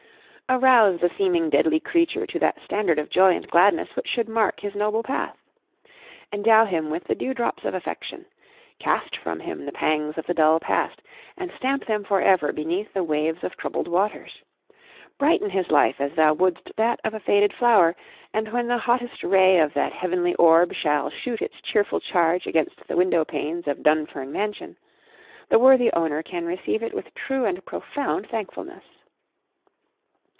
Arouse the seeming deadly creature to that standard of joy and gladness which should mark his noble path! Endow him with the dewdrops of affection; cast from him the pangs of the dull past, and stamp them for ever beneath the waves of troubled waters; brighten his life as thou wouldst that of a faded flower; and when the hottest ray of that heavenly orb shall shoot its cheerful charge against the window panes of Dunfern Mansion, the worthy owner can receive it with true and profound thankfulness.